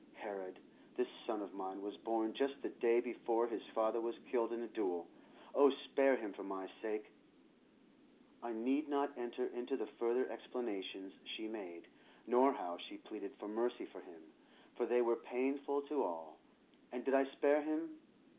Herod, this son of mine, was born just the day before his father was killed in a duel. Oh, spare him for my sake!" I need not enter into the further explanations she made, nor how she pleaded for mercy for him, for they were painful to all. And did I spare him?